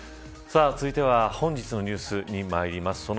続いては本日のニュースにまいります。